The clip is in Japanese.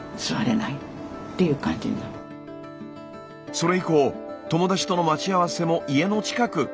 それ以降友達との待ち合わせも家の近く。